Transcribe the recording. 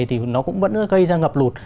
thì nó cũng vẫn gây ra ngập lụt